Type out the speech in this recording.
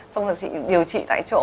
xong rồi chị điều trị tại chỗ